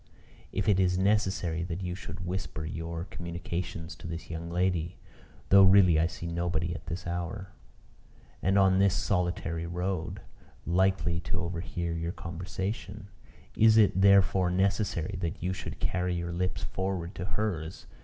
If it is necessary that you should whisper your communications to this young lady though really I see nobody at this hour, and on this solitary road, likely to overhear your conversation is it, therefore, necessary that you should carry your lips forward to hers?